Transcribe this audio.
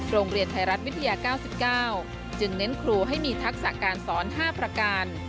โรงเรียนไทยรัฐวิทยา๙๙จึงเน้นครูให้มีทักษะการสอน๕ประการ